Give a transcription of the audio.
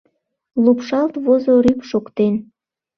Лупшалт возо рӱп шоктен